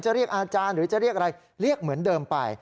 เรียกอาจารย์หรือจะเรียกอะไรเรียกเหมือนเดิมไป